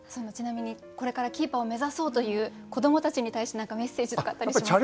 ちなみにこれからキーパーを目指そうという子どもたちに対して何かメッセージとかあったりしますか？